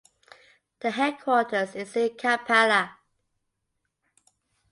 The headquarters is in Kampala.